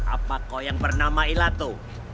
apa kau yang bernama ilato